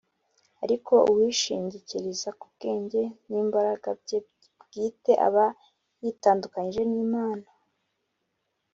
Ariko uwishingikiriza ku bwenge n’imbaraga bye bwite aba yitandukanyije n’Imana